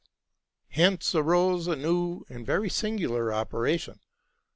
Hence arose a new and very singular operation.